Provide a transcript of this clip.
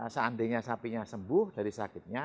seandainya sapinya sembuh dari sakitnya